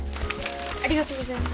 ありがとうございます。